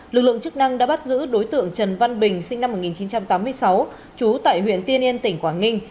lực lượng chức năng đã bắt giữ đối tượng trần văn bình sinh năm một nghìn chín trăm tám mươi sáu trú tại huyện tiên yên tỉnh quảng ninh